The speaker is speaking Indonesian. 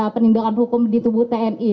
penindakan hukum di tubuh tni